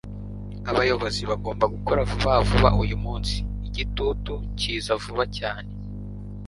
abayobozi bagomba gukora vuba vuba uyu munsi. igitutu kiza vuba cyane